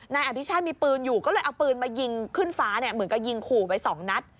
นายอภิชาติมีปืนอยู่ก็เลยเอาปืนมายิงขึ้นฟ้าเนี่ยเหมือนกับยิงขู่ไปสองนัด